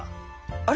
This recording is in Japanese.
あれ？